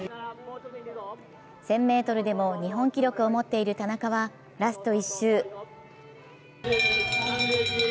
１０００ｍでも日本記録を持っている田中はラスト１周。